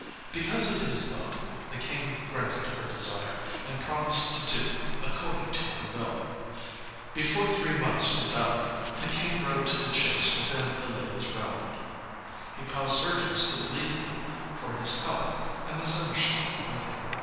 Because of his love the King granted her desire, and promised to do according to her will. Before three months were done the King rode to the chase within the lady's realm. He caused surgeons to bleed him for his health, and the seneschal with him.